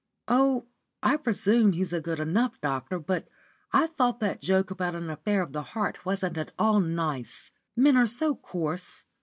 "Oh, I presume he's a good enough doctor, but I thought that joke about an affair of the heart wasn't at all nice. Men are so coarse."